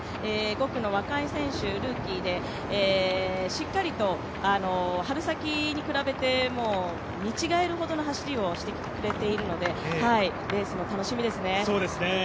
５区の選手、ルーキーでしっかりと、春先に比べて見違えるほどの走りをしているのでレースも楽しみですね。